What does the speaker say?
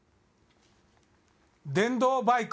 電動バイク。